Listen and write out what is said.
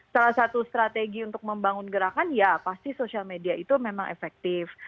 salah satu strategi untuk membangun gerakan ya pasti sosial media itu memang efektif